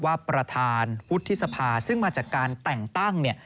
ว่าประธานพุทธศพาซึ่งมาจากการแต่งตั้ง